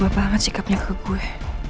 mama berubah banget sikapnya ke gue